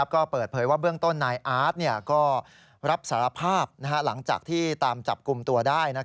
ก็เปิดเผยว่าเบื้องต้นนายอาร์ตก็รับสารภาพหลังจากที่ตามจับกลุ่มตัวได้